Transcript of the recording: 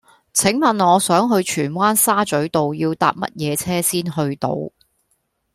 請問我想去荃灣沙咀道要搭乜嘢車先去到